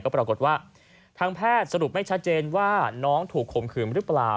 ปรากฏว่าทางแพทย์สรุปไม่ชัดเจนว่าน้องถูกข่มขืนหรือเปล่า